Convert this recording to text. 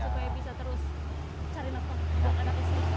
supaya bisa terus cari matpah dan anak esnya